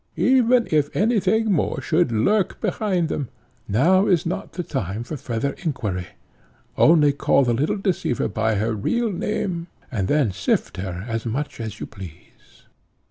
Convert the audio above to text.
Even if any thing more should lurk behind them, now is not the time for farther inquiry. Only call the little deceiver by her real name, and then sift her as much as you please."